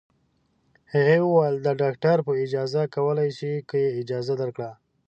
هغې وویل: د ډاکټر په اجازه کولای شې، که یې اجازه درکړه.